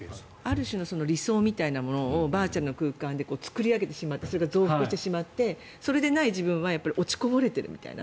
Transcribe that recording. ある種の理想みたいなものをバーチャルな空間で作り上げてしまってそれが増幅してしまってそれでない自分は落ちこぼれているみたいな。